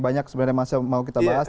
banyak sebenarnya masih mau kita bahas